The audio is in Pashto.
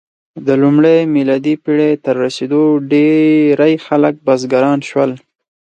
د لومړۍ میلادي پېړۍ تر رسېدو ډېری خلک بزګران شول.